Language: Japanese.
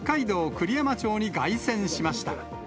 栗山町に凱旋しました。